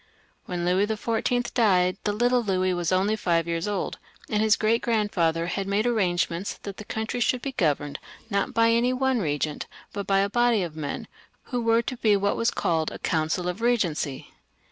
When Louis XFV. died the little Louis was, as I said, only five years old, and his great grandfather had made arrangements that the country should be governed, not by any one regent but by a body of men, who were to be what * was called a Council of Kegency.